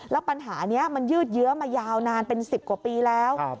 แล้วปัญหานี้มันยืดเยื้อมายาวนานเป็น๑๐กว่าปีแล้ว